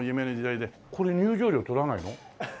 これ入場料取らないの？